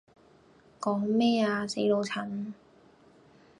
講咩呀死老襯?